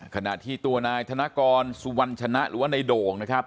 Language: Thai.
ขณะที่ตัวนายธนกรสุวรรณชนะหรือว่าในโด่งนะครับ